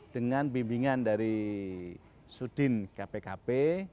dengan bimbingan dari sudin kpkp